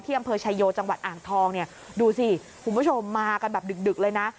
อำเภอชายโยจังหวัดอ่างทองเนี่ยดูสิคุณผู้ชมมากันแบบดึกดึกเลยนะ